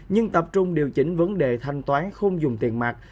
nhưng tập trung điều chỉnh vấn đề thanh toán không dùng tiền mặt